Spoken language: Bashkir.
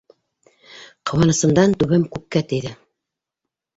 Ҡыуанысымдан түбәм күккә тейҙе.